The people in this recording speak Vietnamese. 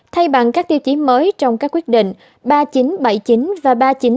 thay bằng các tiêu chí mới trong các quyết định ba nghìn chín trăm bảy mươi chín và ba nghìn chín trăm tám mươi chín